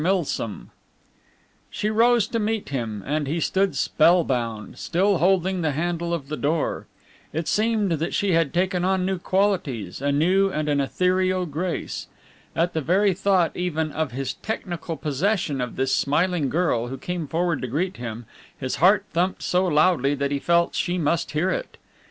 MILSOM She rose to meet him, and he stood spellbound, still holding the handle of the door. It seemed that she had taken on new qualities, a new and an ethereal grace. At the very thought even of his technical possession of this smiling girl who came forward to greet him, his heart thumped so loudly that he felt she must hear it.